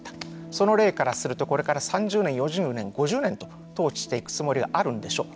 その例からするとこれから３０年、４０年５０年と統治していくつもりがあるんでしょう。